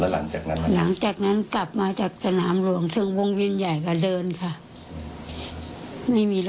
และหลังจากนั้นคุณยายไปกราบตอนเนื่องนึกไหม